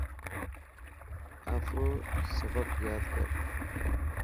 آڦرو سبق ياد ڪر.